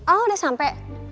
oh udah sampai